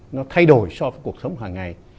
nó thay đổi so với cuộc sống hàng ngày